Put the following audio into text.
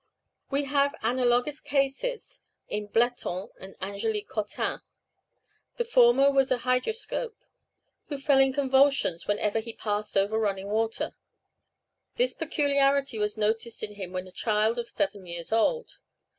We have analogous cases in Bleton and Angelique Cottin. The former was a hydroscope, who fell into convulsions whenever he passed over running water. This peculiarity was noticed in him when a child of seven years old.